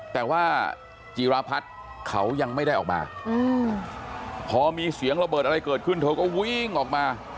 แต่ว่าจีรพัฒน์เขายังไม่ได้ออกมาพอมีเสียงระเบิดอะไรเกิดขึ้นเธอก็วิ่งออกมา